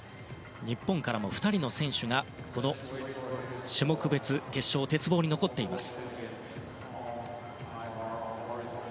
日本からも２人の選手がこの種目別決勝、鉄棒に残っています。